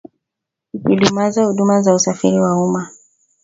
ikidumaza huduma za usafiri wa umma